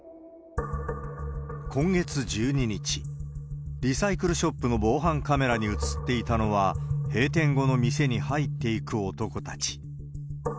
今月１２日、リサイクルショップの防犯カメラに映っていたのは、閉店後の店に入っていく男たち。